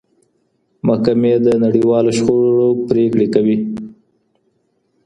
محکمې د نړیوالو شخړو پریکړي کوي.